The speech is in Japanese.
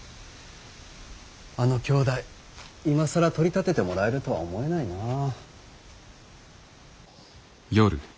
あの兄弟今更取り立ててもらえるとは思えないなあ。